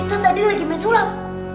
kita tadi lagi main sulap